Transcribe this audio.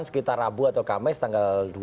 sekitar rabu atau kamis tanggal